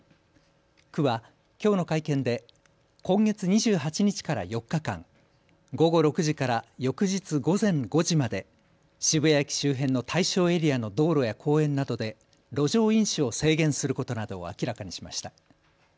区はきょうの会見で今月２８日から４日間、午後６時から翌日午前５時まで渋谷駅周辺の対象エリアの道路や公園などで路上飲酒を制限することなどを明らかにしました。